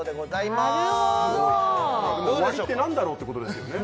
まあでも終わりって何だろうってことですけどね